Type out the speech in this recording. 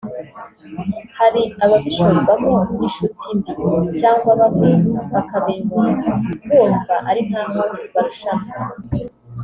hari ababishorwamo n’inshuti mbi cyangwa bamwe bakabinywa bumva ari nk’aho barushanwa